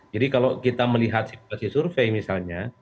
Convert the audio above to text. jadi kalau kita melihat si survei misalnya